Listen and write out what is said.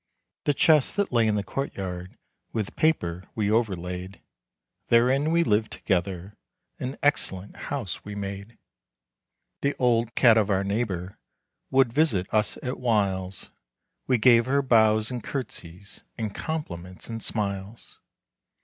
The chests that lay in the courtyard, With paper we overlaid. Therein we lived together; An excellent house we made. The old cat of our neighbor Would visit us at whiles; We gave her bows and curtsies, And compliments and smiles.